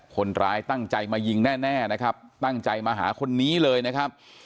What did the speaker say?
คนร้ายตั้งใจมายิงแน่นะครับตั้งใจมาหาคนนี้เลยนะครับ